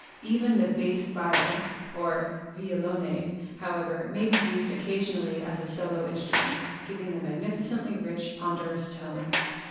Even the bass viol (or violone), however, may be used occasionally as a solo in strument, giving a magnificently rich, ponderous tone.